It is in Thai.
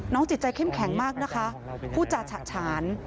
น้องจิตใจเข้มแข็งมากนะคะผู้จัดฉะฉาน